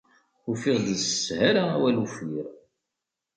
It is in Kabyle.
Ufiɣ-d s sshala awal uffir.